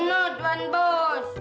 nah tuan bos